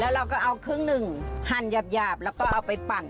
เราก็เอาครึ่งหนึ่งหั่นหยาบแล้วก็เอาไปปั่น